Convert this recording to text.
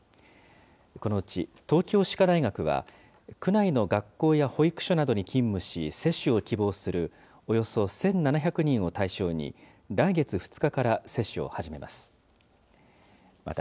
このうち東京歯科大学は、区内の学校や保育所などに勤務し、接種を希望する、およそ１７００人を対象に、来月２日から接種を始めます。